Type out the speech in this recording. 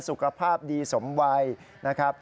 สุขภาพดีสมวัยนะครับ